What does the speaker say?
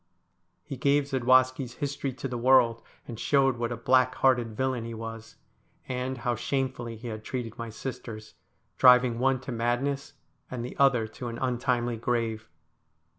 He gave Zadwaski's history to the world, and showed what a black hearted villain he was, and how shamefully he had treated my sisters, driving one to madness and the other to an untimely grave.